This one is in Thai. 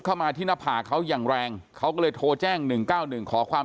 เข้ามาที่หน้าผากเขาอย่างแรงเขาก็เลยโทรแจ้ง๑๙๑ขอความ